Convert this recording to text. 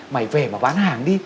mày về mà bán hàng đi